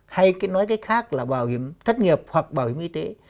hay nói cách khác là bảo hiểm thất nghiệp hoặc bảo hiểm y tế